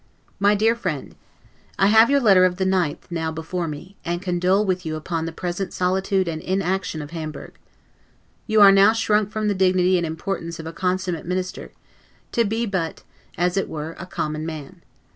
MY DEAR FRIEND: I have your letter of the 9th now before me, and condole with you upon the present solitude and inaction of Hamburg. You are now shrunk from the dignity and importance of a consummate minister, to be but, as it were, a common man.